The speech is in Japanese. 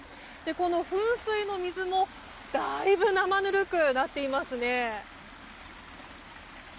この噴水の水も、だいぶ生ぬるくなっていますね。